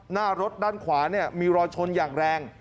หน้ารถด้านขวามีรอยชนอย่างแรง